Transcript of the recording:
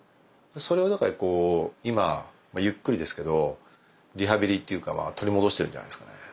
それをこう今ゆっくりですけどリハビリっていうかまあ取り戻してるんじゃないですかね。